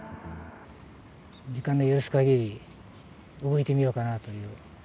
時間の許すかぎり、動いてみようかなという。